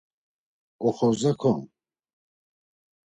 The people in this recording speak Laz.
Oxorza kon…